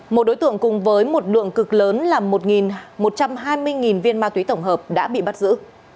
một đối tượng cùng với một lượng cực lớn là một một trăm hai mươi viên ma túy tổng hợp đã bị bắt giữ